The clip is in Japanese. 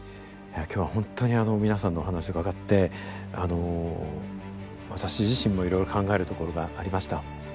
今日は本当に皆さんのお話を伺ってあの私自身もいろいろ考えるところがありました。